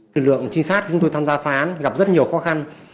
lực lượng trinh sát chúng tôi tham gia phá án gặp rất nhiều khó khăn